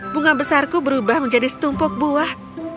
bunga besarku berubah menjadi setumpuk buah